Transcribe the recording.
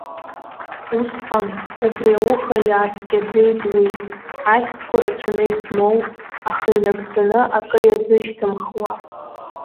Усҟан, убри ауха иааскьаӡеит уи, ахьӡқәа рацәаны измоу, аха инагӡаны акы иазышьҭымхуа.